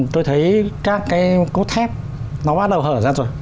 tôi thấy các cái cốt thép nó bắt đầu hở ra rồi